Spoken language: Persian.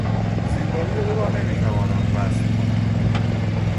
زیبایی او را نمیتوانم وصف کنم.